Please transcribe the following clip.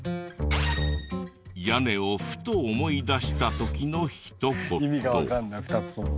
「屋根をふと思い出した時の一言」